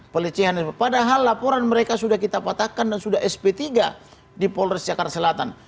pelecehan sp padahal laporan mereka sudah kita patahkan dan sudah sp tiga di polres jakarta selatan